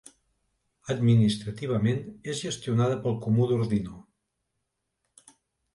Administrativament és gestionada pel Comú d'Ordino.